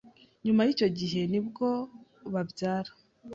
nyuma y'icyo gihe nibwo babyara